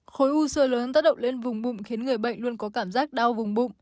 khi đau bụng dưới khối u sơ lớn tác động lên vùng bụng khiến người bệnh luôn có cảm giác đau vùng bụng